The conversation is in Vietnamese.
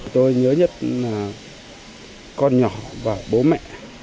tôi nhớ nhất là con nhỏ và bố mẹ